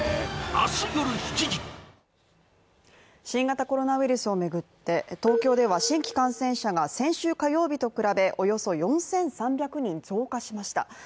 新型コロナウイルスを巡って、東京では新規感染者が先週火曜日と比べおよそ４３００人増加しました。